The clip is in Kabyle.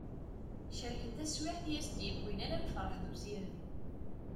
Cerken taswiɛt i as-d-yewwin ala lferḥ d usirem.